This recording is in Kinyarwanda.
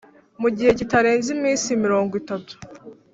mu gihe kitarenze iminsi mirongo itatu